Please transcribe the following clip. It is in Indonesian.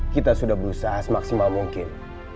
kita sudah berusaha semaksimal mungkin